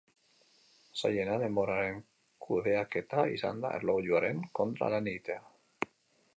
Zailena, denboraren kudeaketa izan da, erlojuaren kontra lan egitea.